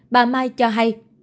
bà mai cho hay